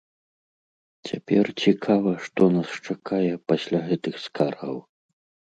Цяпер цікава, што нас чакае пасля гэтых скаргаў.